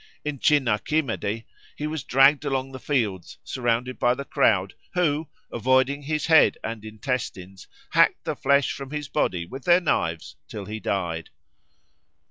In Chinna Kimedy he was dragged along the fields, surrounded by the crowd, who, avoiding his head and intestines, hacked the flesh from his body with their knives till he died.